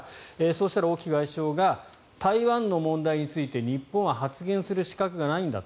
そしたら、王毅外相が台湾の問題について日本は発言する資格がないんだ